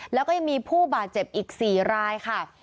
แล้วก็ยังมีผู้บาดเจ็บอีก๔รายค่ะ